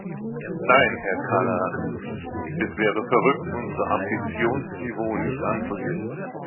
Nein, Herr Callanan, es wäre verrückt, unser Ambitionsniveau nicht anzuheben.